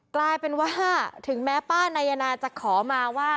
กลายเป็นว่าถึงแม้ป้านายนาจะขอมาว่า